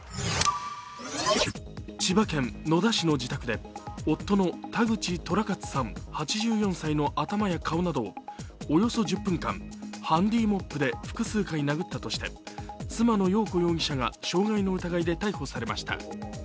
千葉県野田市の自宅で夫の田口寅勝さん８４歳の頭や顔などをおよそ１０分間、ハンディモップで複数回殴ったとして妻のよう子容疑者が傷害の疑いで逮捕されました。